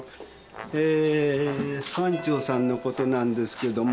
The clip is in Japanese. えー村長さんのことなんですけども。